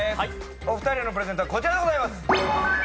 お二人へのプレゼントはこちらでございます。